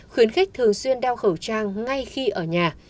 khuyến khích thường xuyên đeo khẩu trang ngay khi ở nhà